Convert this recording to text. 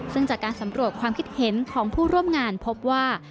ซึ่งจากการสำรวจความคิดเห็นของผู้ร่วมงานพบว่า